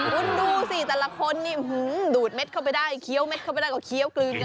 คุณดูสิแต่ละคนนี่ดูดเม็ดเข้าไปได้เคี้ยวเม็ดเข้าไปได้ก็เคี้ยวกลืนกัน